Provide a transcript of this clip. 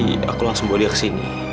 jadi aku langsung bawa dia kesini